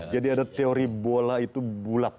jadi ada teori bola itu bulat